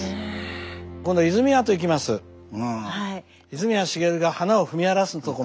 泉谷しげるが花を踏み荒らすとこ。